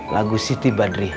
lagu siti badri